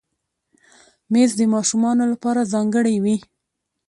مېز د ماشومانو لپاره ځانګړی وي.